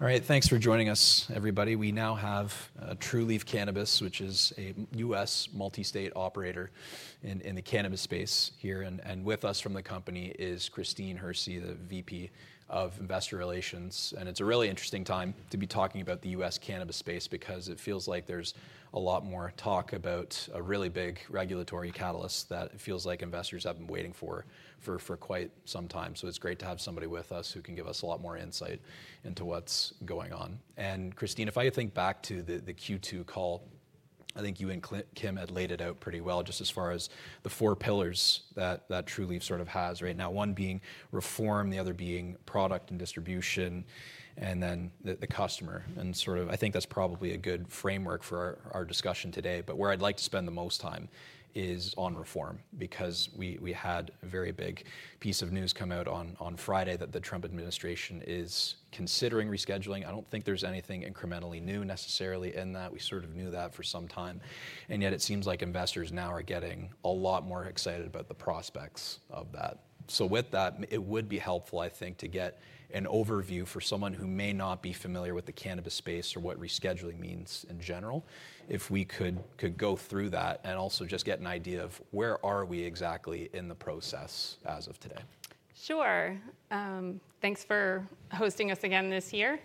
All right, thanks for joining us, everybody. We now have Trulieve Cannabis, which is a U.S. multi-state operator in the cannabis space here. With us from the company is Christine Hersey, the Vice President of Investor Relations. It's a really interesting time to be talking about the U.S. cannabis space because it feels like there's a lot more talk about a really big regulatory catalyst that feels like investors have been waiting for for quite some time. It's great to have somebody with us who can give us a lot more insight into what's going on. Christine, if I think back to the Q2 call, I think you and Kim had laid it out pretty well just as far as the four pillars that Trulieve sort of has right now, one being reform, the other being product and distribution, and then the customer. I think that's probably a good framework for our discussion today. Where I'd like to spend the most time is on reform because we had a very big piece of news come out on Friday that the Trump administration is considering rescheduling. I don't think there's anything incrementally new necessarily in that. We sort of knew that for some time. Yet it seems like investors now are getting a lot more excited about the prospects of that. With that, it would be helpful, I think, to get an overview for someone who may not be familiar with the cannabis space or what rescheduling means in general, if we could go through that and also just get an idea of where are we exactly in the process as of today. Sure. Thanks for hosting us again this year.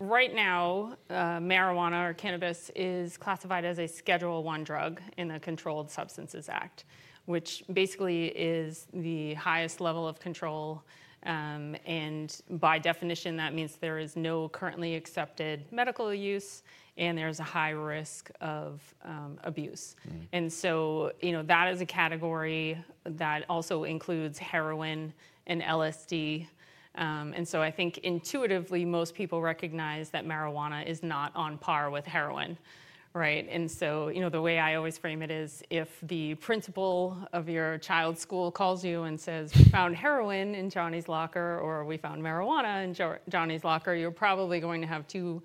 Right now, marijuana or cannabis is classified as a Schedule I drug in the Controlled Substances Act, which basically is the highest level of control. By definition, that means there is no currently accepted medical use and there's a high risk of abuse. That is a category that also includes heroin and LSD. I think intuitively most people recognize that marijuana is not on par with heroin, right? The way I always frame it is if the principal of your child's school calls you and says, "Found heroin in Johnny's locker," or "We found marijuana in Johnny's locker," you're probably going to have two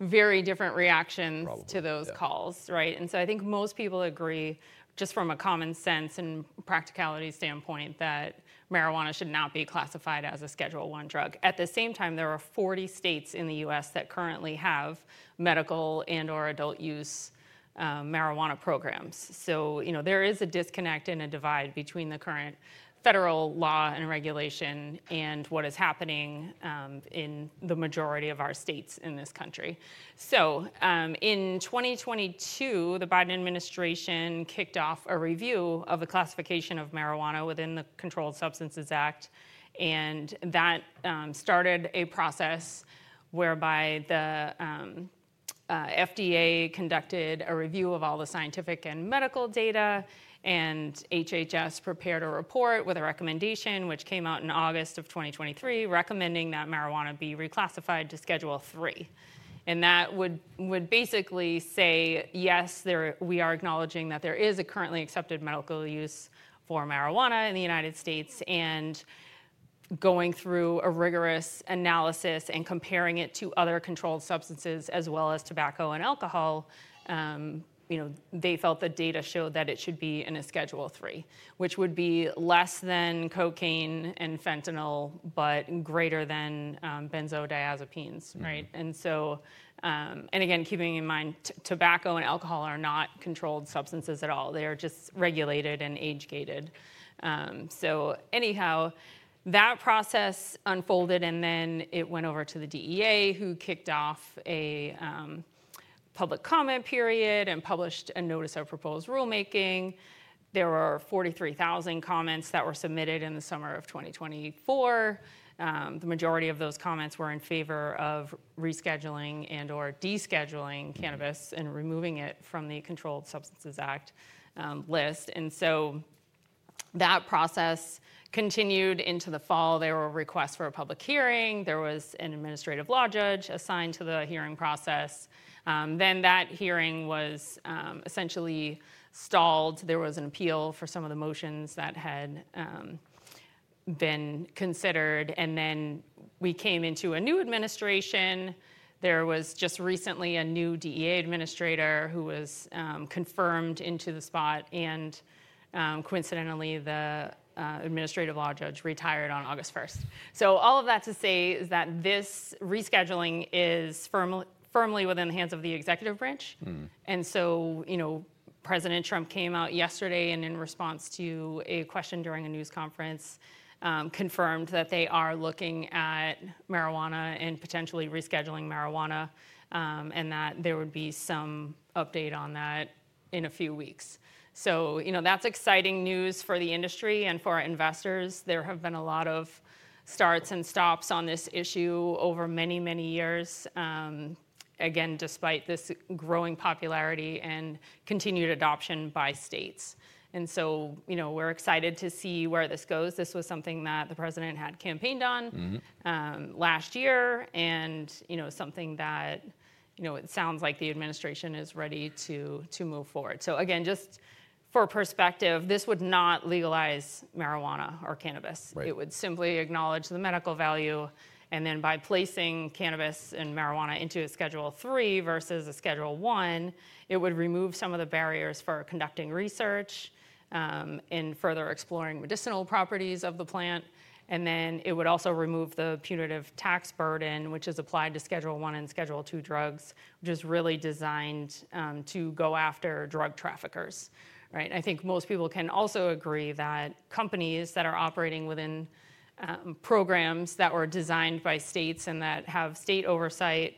very different reactions to those calls, right? I think most people agree just from a common sense and practicality standpoint that marijuana should not be classified as a Schedule I drug. At the same time, there are 40 states in the U.S. that currently have medical and/or adult use marijuana programs. There is a disconnect and a divide between the current federal law and regulation and what is happening in the majority of our states in this country. In 2022, the Biden administration kicked off a review of the classification of marijuana within the Controlled Substances Act, and that started a process whereby the FDA conducted a review of all the scientific and medical data, and HHS prepared a report with a recommendation which came out in August of 2023 recommending that marijuana be reclassified to Schedule III. That would basically say, yes, we are acknowledging that there is a currently accepted medical use for marijuana in the United States, and going through a rigorous analysis and comparing it to other controlled substances as well as tobacco and alcohol, they felt that data showed that it should be in a Schedule III, which would be less than cocaine and fentanyl, but greater than benzodiazepines, right? Again, keeping in mind tobacco and alcohol are not controlled substances at all. They are just regulated and age-gated. That process unfolded, and then it went over to the DEA, who kicked off a public comment period and published a notice of proposed rulemaking. There were 43,000 comments that were submitted in the summer of 2024. The majority of those comments were in favor of rescheduling and/or de-scheduling cannabis and removing it from the Controlled Substances Act list. That process continued into the fall. There were requests for a public hearing. There was an administrative law judge assigned to the hearing process. Then that hearing was essentially stalled. There was an appeal for some of the motions that had been considered. We came into a new administration. There was just recently a new DEA administrator who was confirmed into the spot. Coincidentally, the administrative law judge retired on August 1st. All of that to say is that this rescheduling is firmly within the hands of the executive branch. President Trump came out yesterday and in response to a question during a news conference, confirmed that they are looking at marijuana and potentially rescheduling marijuana, and that there would be some update on that in a few weeks. That's exciting news for the industry and for investors. There have been a lot of starts and stops on this issue over many, many years, again, despite this growing popularity and continued adoption by states. We're excited to see where this goes. This was something that the president had campaigned on last year, and it sounds like the administration is ready to move forward. Just for perspective, this would not legalize marijuana or cannabis. It would simply acknowledge the medical value. By placing cannabis and marijuana into a Schedule III versus a Schedule I, it would remove some of the barriers for conducting research in further exploring medicinal properties of the plant. It would also remove the punitive tax burden, which is applied to Schedule I and Schedule II drugs, which is really designed to go after drug traffickers. I think most people can also agree that companies that are operating within programs that were designed by states and that have state oversight,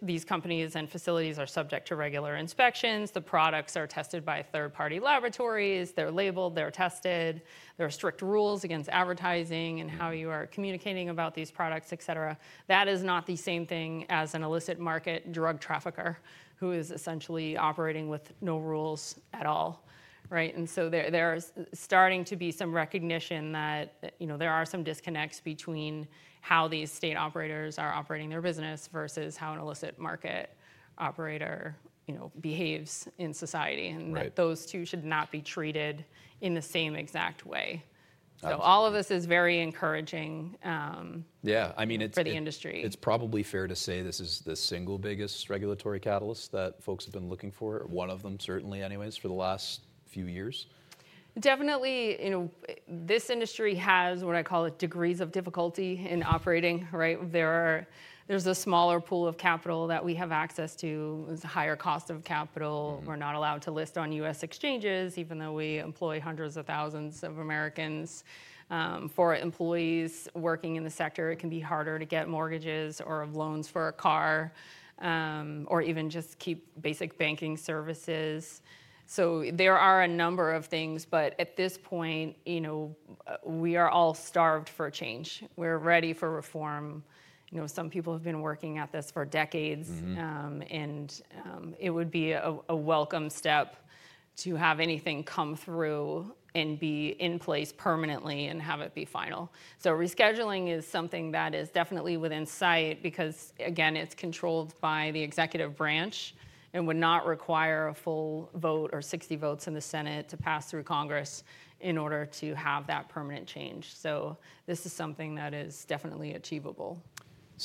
these companies and facilities are subject to regular inspections. The products are tested by third-party laboratories. They're labeled, they're tested. There are strict rules against advertising and how you are communicating about these products, etc. That is not the same thing as an illicit market drug trafficker who is essentially operating with no rules at all. There is starting to be some recognition that, you know, there are some disconnects between how these state operators are operating their business versus how an illicit market operator, you know, behaves in society. Those two should not be treated in the same exact way. All of this is very encouraging for the industry. It's probably fair to say this is the single biggest regulatory catalyst that folks have been looking for, one of them certainly anyways for the last few years. Definitely. You know, this industry has what I call degrees of difficulty in operating, right? There is a smaller pool of capital that we have access to. There is a higher cost of capital. We're not allowed to list on U.S. exchanges, even though we employ hundreds of thousands of Americans, for employees working in the sector. It can be harder to get mortgages or loans for a car, or even just keep basic banking services. There are a number of things, but at this point, you know, we are all starved for change. We're ready for reform. Some people have been working at this for decades. It would be a welcome step to have anything come through and be in place permanently and have it be final. Rescheduling is something that is definitely within sight because, again, it's controlled by the executive branch and would not require a full vote or 60 votes in the Senate to pass through Congress in order to have that permanent change. This is something that is definitely achievable.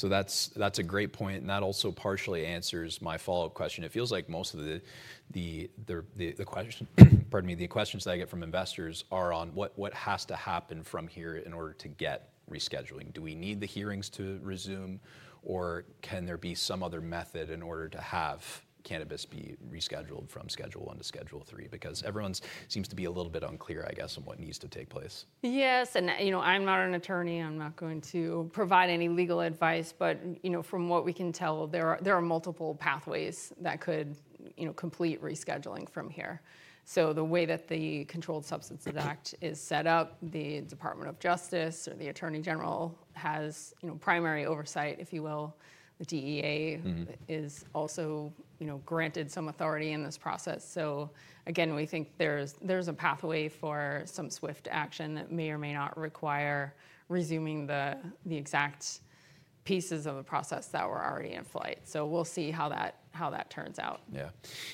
That's a great point. That also partially answers my follow-up question. It feels like most of the questions I get from investors are on what has to happen from here in order to get rescheduling. Do we need the hearings to resume, or can there be some other method in order to have cannabis be rescheduled from Schedule I to Schedule III? Because everyone seems to be a little bit unclear, I guess, on what needs to take place. Yes. I'm not an attorney. I'm not going to provide any legal advice, but from what we can tell, there are multiple pathways that could complete rescheduling from here. The way that the Controlled Substances Act is set up, the Department of Justice or the Attorney General has primary oversight, if you will. The DEA is also granted some authority in this process. We think there's a pathway for some swift action that may or may not require resuming the exact pieces of the process that were already in flight. We'll see how that turns out. Yeah.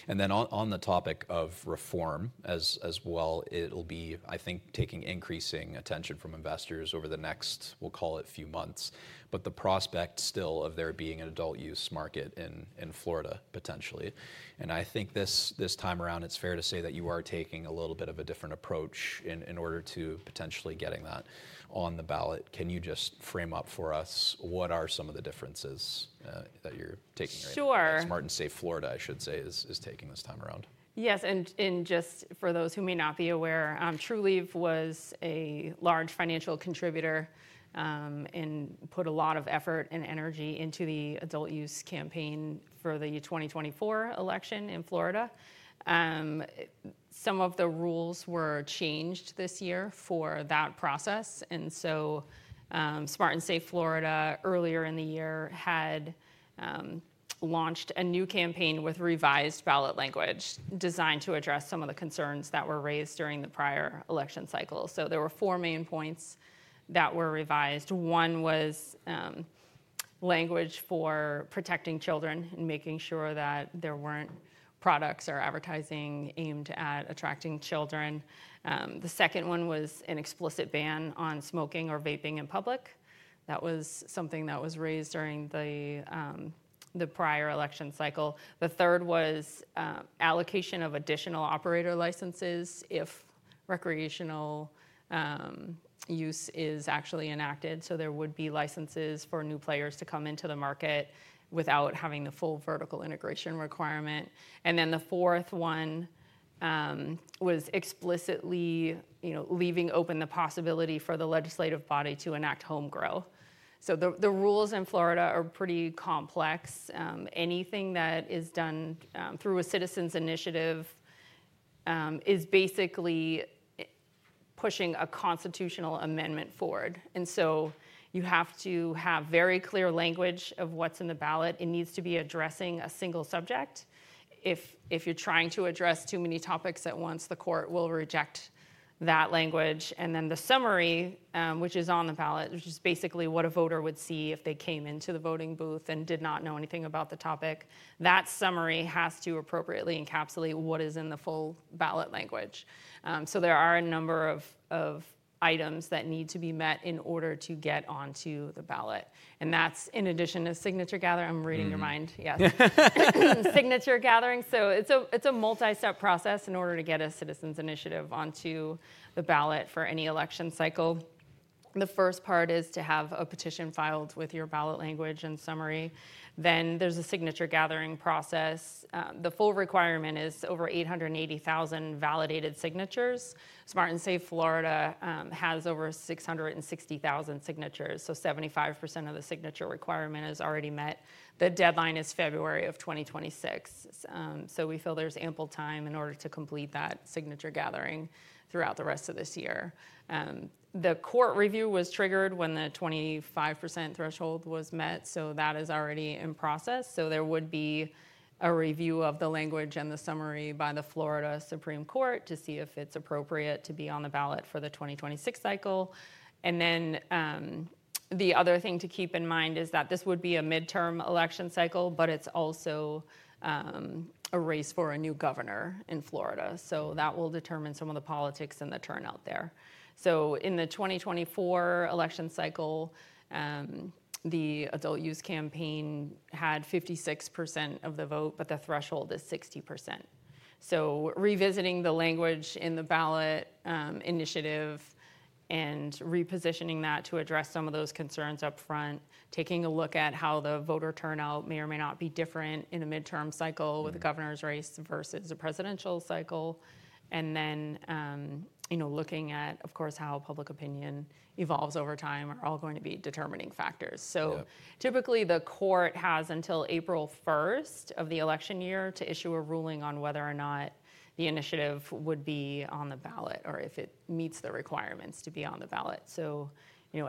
On the topic of reform as well, it'll be, I think, taking increasing attention from investors over the next, we'll call it a few months, with the prospect still of there being an adult use market in Florida potentially. I think this time around, it's fair to say that you are taking a little bit of a different approach in order to potentially getting that on the ballot. Can you just frame up for us what are some of the differences that you're taking? Sure. Smart & Safe Florida, I should say, is taking this time around. Yes. Just for those who may not be aware, Trulieve was a large financial contributor and put a lot of effort and energy into the adult use campaign for the 2024 election in Florida. Some of the rules were changed this year for that process. Smart & Safe Florida earlier in the year launched a new campaign with revised ballot language designed to address some of the concerns that were raised during the prior election cycle. There were four main points that were revised. One was language for protecting children and making sure that there weren't products or advertising aimed at attracting children. The second one was an explicit ban on smoking or vaping in public. That was something that was raised during the prior election cycle. The third was allocation of additional operator licenses if recreational use is actually enacted. There would be licenses for new players to come into the market without having the full vertical integration requirement. The fourth one was explicitly leaving open the possibility for the legislative body to enact home grow. The rules in Florida are pretty complex. Anything that is done through a citizen's initiative is basically pushing a constitutional amendment forward. You have to have very clear language of what's in the ballot. It needs to be addressing a single subject. If you're trying to address too many topics at once, the court will reject that language. The summary, which is on the ballot, which is basically what a voter would see if they came into the voting booth and did not know anything about the topic, that summary has to appropriately encapsulate what is in the full ballot language. There are a number of items that need to be met in order to get onto the ballot. That's in addition to signature gathering. I'm reading your mind. Yes. Signature gathering. It's a multi-step process in order to get a citizen's initiative onto the ballot for any election cycle. The first part is to have a petition filed with your ballot language and summary. Then there's a signature gathering process. The full requirement is over 880,000 validated signatures. Smart & Safe Florida has over 660,000 signatures. 75% of the signature requirement is already met. The deadline is February of 2026. We feel there's ample time in order to complete that signature gathering throughout the rest of this year. The court review was triggered when the 25% threshold was met. That is already in process. There would be a review of the language and the summary by the Florida Supreme Court to see if it's appropriate to be on the ballot for the 2026 cycle. The other thing to keep in mind is that this would be a midterm election cycle, but it's also a race for a new governor in Florida. That will determine some of the politics and the turnout there. In the 2024 election cycle, the adult use campaign had 56% of the vote, but the threshold is 60%. Revisiting the language in the ballot initiative and repositioning that to address some of those concerns up front, taking a look at how the voter turnout may or may not be different in a midterm cycle with a governor's race versus a presidential cycle, and looking at, of course, how public opinion evolves over time are all going to be determining factors. Typically, the court has until April 1st of the election year to issue a ruling on whether or not the initiative would be on the ballot or if it meets the requirements to be on the ballot.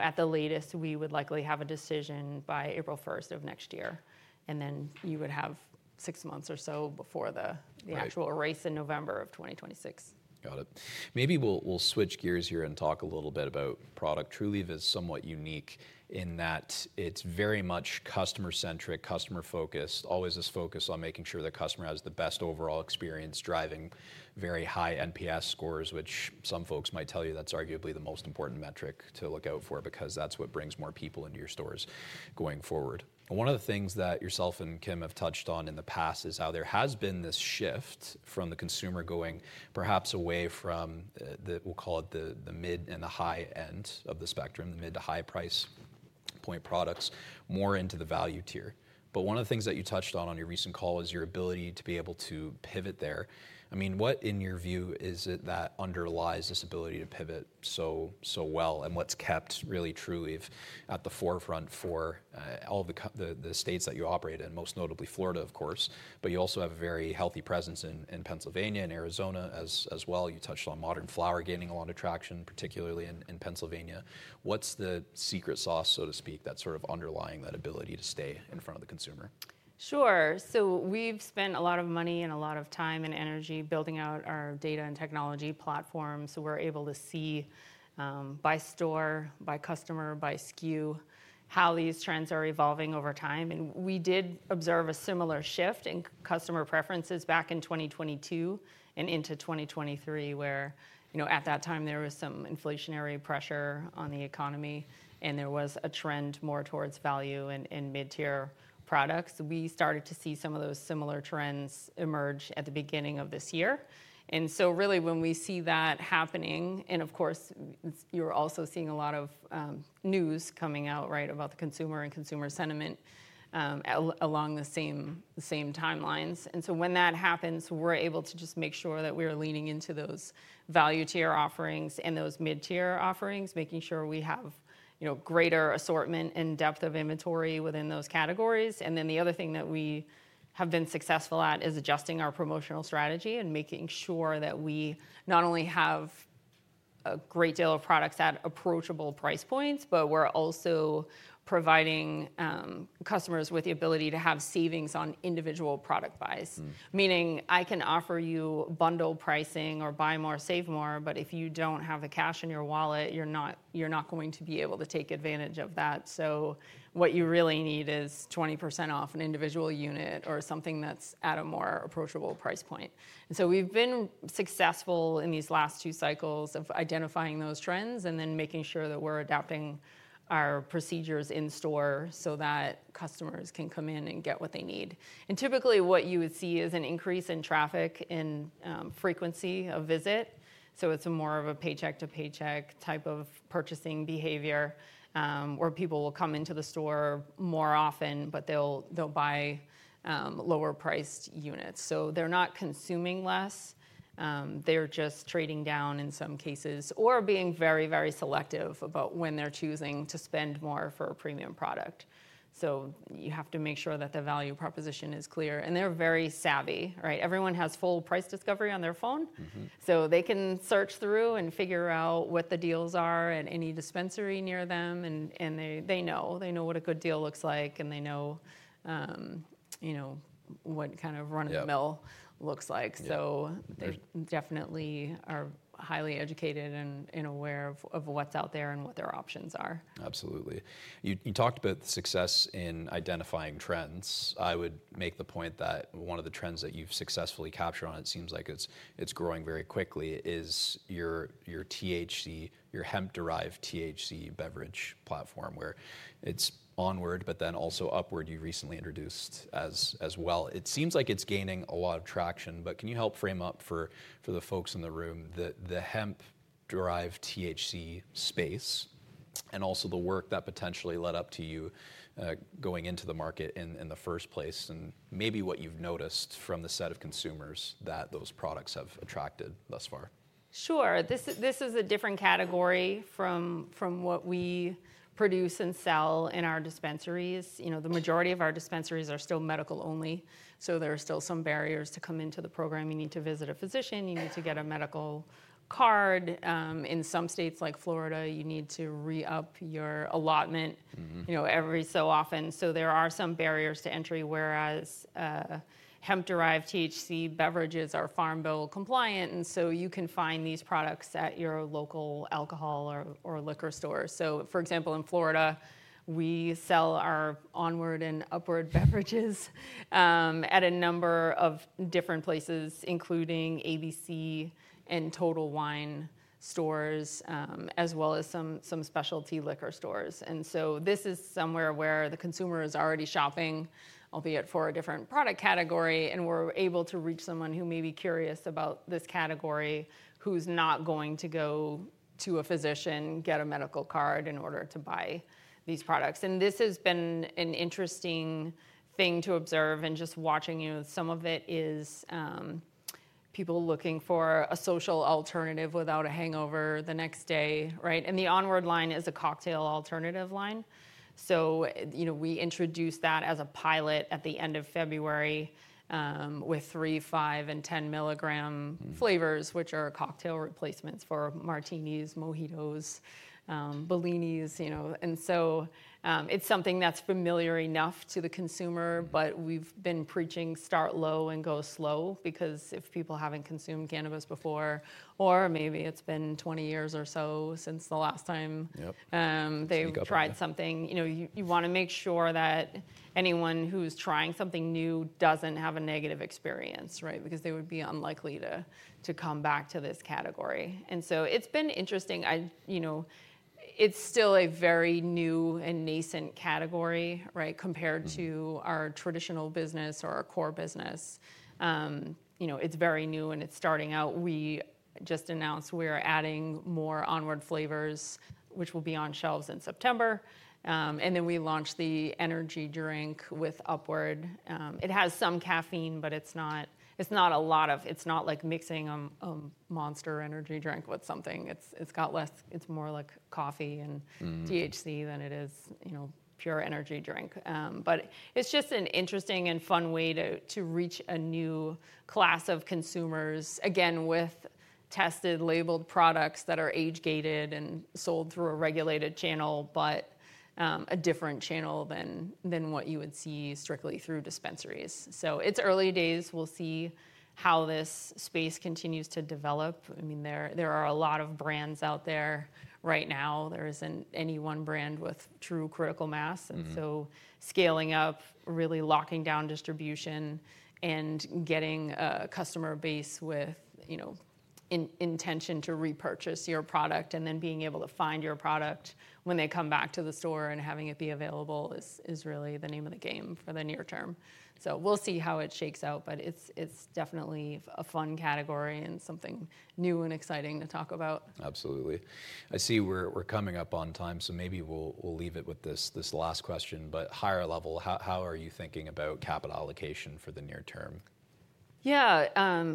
At the latest, we would likely have a decision by April 1st of next year. Then you would have six months or so before the actual race in November of 2026. Got it. Maybe we'll switch gears here and talk a little bit about product. Trulieve is somewhat unique in that it's very much customer-centric, customer-focused, always this focus on making sure the customer has the best overall experience, driving very high NPS scores, which some folks might tell you that's arguably the most important metric to look out for because that's what brings more people into your stores going forward. One of the things that yourself and Kim have touched on in the past is how there has been this shift from the consumer going perhaps away from the, we'll call it the mid and the high end of the spectrum, the mid to high price point products, more into the value tier. One of the things that you touched on on your recent call was your ability to be able to pivot there. I mean, what in your view is it that underlies this ability to pivot so, so well and what's kept really Trulieve at the forefront for all the states that you operate in, most notably Florida, of course, but you also have a very healthy presence in Pennsylvania and Arizona as well. You touched on modern flower gaining a lot of traction, particularly in Pennsylvania. What's the secret sauce, so to speak, that's sort of underlying that ability to stay in front of the consumer? Sure. We've spent a lot of money and a lot of time and energy building out our data and technology platform. We're able to see, by store, by customer, by SKU, how these trends are evolving over time. We did observe a similar shift in customer preferences back in 2022 and into 2023, where at that time there was some inflationary pressure on the economy and there was a trend more towards value in mid-tier products. We started to see some of those similar trends emerge at the beginning of this year. When we see that happening, you're also seeing a lot of news coming out about the consumer and consumer sentiment, along the same timelines. When that happens, we're able to just make sure that we're leaning into those value tier offerings and those mid-tier offerings, making sure we have greater assortment and depth of inventory within those categories. The other thing that we have been successful at is adjusting our promotional strategy and making sure that we not only have a great deal of products at approachable price points, but we're also providing customers with the ability to have savings on individual product buys. Meaning I can offer you bundle pricing or buy more, save more, but if you don't have the cash in your wallet, you're not going to be able to take advantage of that. What you really need is 20% off an individual unit or something that's at a more approachable price point. We've been successful in these last two cycles of identifying those trends and then making sure that we're adapting our procedures in store so that customers can come in and get what they need. Typically what you would see is an increase in traffic and frequency of visit. It's more of a paycheck-to-paycheck type of purchasing behavior, where people will come into the store more often, but they'll buy lower priced units. They're not consuming less, they're just trading down in some cases or being very, very selective about when they're choosing to spend more for a premium product. You have to make sure that the value proposition is clear. They're very savvy, right? Everyone has full price discovery on their phone. They can search through and figure out what the deals are at any dispensary near them. They know what a good deal looks like and they know what kind of run-of-the-mill looks like. They definitely are highly educated and aware of what's out there and what their options are. Absolutely. You talked about the success in identifying trends. I would make the point that one of the trends that you've successfully captured on, it seems like it's growing very quickly, is your THC, your hemp-derived THC beverage platform where it's Onward, but then also Upward you recently introduced as well. It seems like it's gaining a lot of traction. Can you help frame up for the folks in the room the hemp-derived THC space and also the work that potentially led up to you going into the market in the first place and maybe what you've noticed from the set of consumers that those products have attracted thus far? Sure. This is a different category from what we produce and sell in our dispensaries. The majority of our dispensaries are still medical only. There are still some barriers to come into the program. You need to visit a physician. You need to get a medical card. In some states like Florida, you need to re-up your allotment every so often. There are some barriers to entry, whereas hemp-derived THC beverages are farm bill compliant. You can find these products at your local alcohol or liquor store. For example, in Florida, we sell our Onward and Upward beverages at a number of different places, including ABC Fine Wine & Spirits and Total Wine stores, as well as some specialty liquor stores. This is somewhere where the consumer is already shopping, albeit for a different product category. We're able to reach someone who may be curious about this category, who's not going to go to a physician, get a medical card in order to buy these products. This has been an interesting thing to observe and just watching, some of it is people looking for a social alternative without a hangover the next day, right? The Onward line is a cocktail alternative line. We introduced that as a pilot at the end of February, with 3 mg, 5 mg, and 10 mg flavors, which are cocktail replacements for martinis, mojitos, bellinis. It's something that's familiar enough to the consumer, but we've been preaching start low and go slow because if people haven't consumed cannabis before, or maybe it's been 20 years or so since the last time they've tried something, you want to make sure that anyone who's trying something new doesn't have a negative experience, right? They would be unlikely to come back to this category. It's been interesting. It's still a very new and nascent category, right, compared to our traditional business or our core business. It's very new and it's starting out. We just announced we're adding more Onward flavors, which will be on shelves in September. We launched the energy drink with Upward. It has some caffeine, but it's not a lot of, it's not like mixing a Monster energy drink with something. It's got less, it's more like coffee and THC than it is pure energy drink. It's just an interesting and fun way to reach a new class of consumers, again, with tested, labeled products that are age-gated and sold through a regulated channel, but a different channel than what you would see strictly through dispensaries. It's early days. We'll see how this space continues to develop. There are a lot of brands out there right now. There isn't any one brand with true critical mass. Scaling up, really locking down distribution, and getting a customer base with an intention to repurchase your product and then being able to find your product when they come back to the store and having it be available is really the name of the game for the near term. We'll see how it shakes out, but it's definitely a fun category and something new and exciting to talk about. Absolutely. I see we're coming up on time, so maybe we'll leave it with this last question, but higher level, how are you thinking about capital allocation for the near term? Yeah,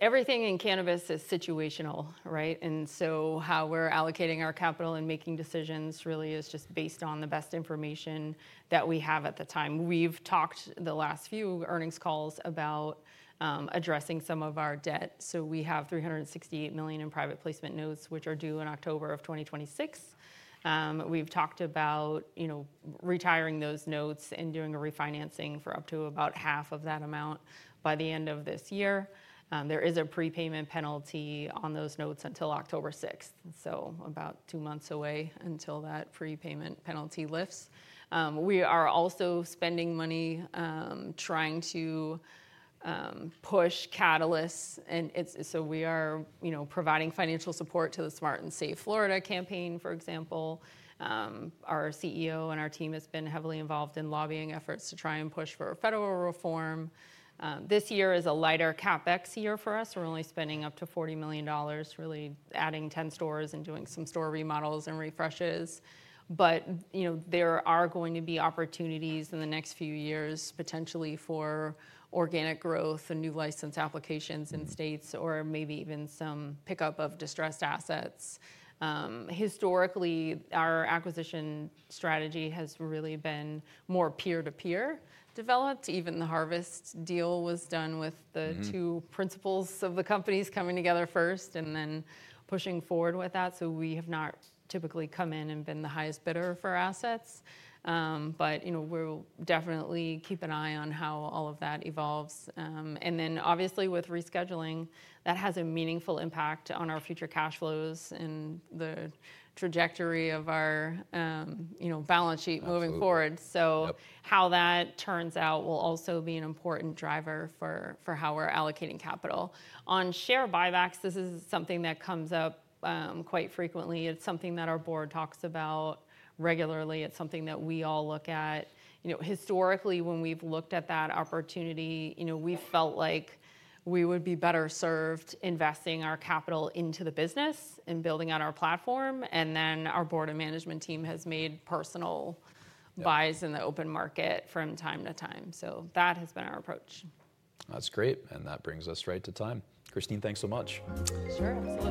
everything in cannabis is situational, right? How we're allocating our capital and making decisions really is just based on the best information that we have at the time. We've talked the last few earnings calls about addressing some of our debt. We have $368 million in private placement notes, which are due in October of 2026. We've talked about retiring those notes and doing a refinancing for up to about half of that amount by the end of this year. There is a prepayment penalty on those notes until October 6th, so about two months away until that prepayment penalty lifts. We are also spending money trying to push catalysts. We are providing financial support to the Smart & Safe Florida campaign, for example. Our CEO and our team have been heavily involved in lobbying efforts to try and push for federal reform. This year is a lighter CapEx year for us. We're only spending up to $40 million, really adding 10 stores and doing some store remodels and refreshes. There are going to be opportunities in the next few years, potentially for organic growth and new license applications in states or maybe even some pickup of distressed assets. Historically, our acquisition strategy has really been more peer-to-peer developed. Even the Harvest deal was done with the two principals of the companies coming together first and then pushing forward with that. We have not typically come in and been the highest bidder for assets. We'll definitely keep an eye on how all of that evolves. Obviously, with rescheduling, that has a meaningful impact on our future cash flows and the trajectory of our balance sheet moving forward. How that turns out will also be an important driver for how we're allocating capital. On share buybacks, this is something that comes up quite frequently. It's something that our board talks about regularly. It's something that we all look at. Historically, when we've looked at that opportunity, we felt like we would be better served investing our capital into the business and building out our platform. Our board or management team has made personal buys in the open market from time to time. That has been our approach. That's great. That brings us right to time. Christine, thanks so much. Sure. Absolutely.